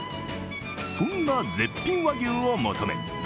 そんな、絶品和牛を求め